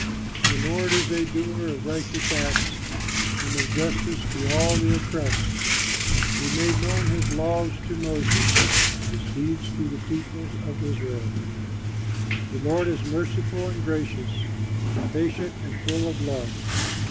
The Lord is a doer of righteous acts, And of justice to all the oppressed. He made known his laws to Moses, His deeds to the people of Israel. The Lord is merciful and gracious, Patient and full of love.